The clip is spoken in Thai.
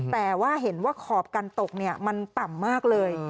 แต่ว่าเห็นว่าขอบกันตกมันต่ำมากเลย